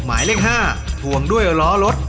หมายเลข๕ทวงด้วยล้อรถ